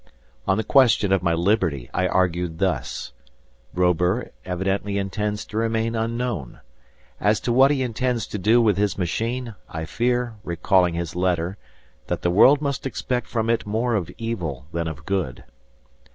On the question of my liberty I argued thus: Robur evidently intends to remain unknown. As to what he intends to do with his machine, I fear, recalling his letter, that the world must expect from it more of evil than of good.